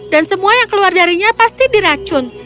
dan semua yang keluar darinya pasti diracun